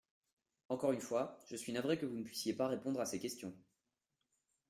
Encore une fois, je suis navrée que vous ne puissiez pas répondre à ces questions.